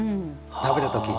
食べる時に。